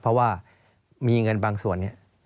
เพราะว่ามีเงินบางส่วนเนี่ย